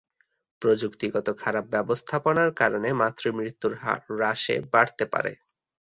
প্রযুক্তিগত খারাপ ব্যবস্থাপনার কারণে মাতৃ মৃত্যুর হ্রাসে বাড়তে পারে।